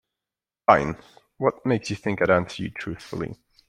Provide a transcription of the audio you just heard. Fine, what makes you think I'd answer you truthfully?